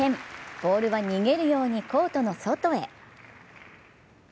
ボールは逃げるようにコートの外へ。